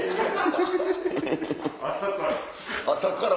朝から！